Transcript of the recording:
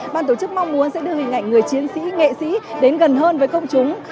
ban tổ chức mong muốn sẽ đưa hình ảnh người chiến sĩ nghệ sĩ đến gần hơn với công chúng